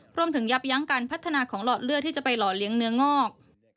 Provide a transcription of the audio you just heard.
ยับยั้งการพัฒนาของหลอดเลือดที่จะไปหล่อเลี้ยงเนื้องอก